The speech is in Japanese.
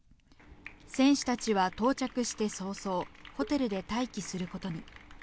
選手たちは到着して早々、ホテルで待機することに。